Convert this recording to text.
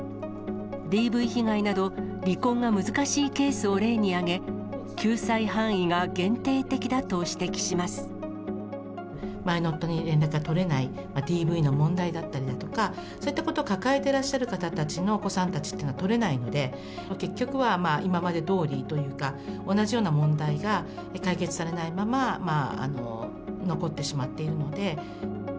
ＤＶ被害など、離婚が難しいケースなどを例に挙げ、救済範囲が限定的だと指摘し前の夫に連絡が取れない、ＤＶの問題だったりだとか、そういったことを抱えてらっしゃる方たちのお子さんたちっていうのは取れないので、結局は、今までどおりというか、同じような問題が解決されないまま残ってしまっているので。